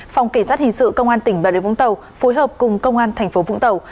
phòng kỳ sát hình sự công an tỉnh bà rịa vũng tàu phối hợp cùng công an thành phố vũng tàu